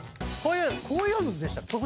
こういうのでしたっけ？